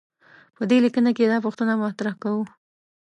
په دې لیکنه کې دا پوښتنه مطرح کوو.